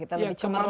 kita lebih cemerlang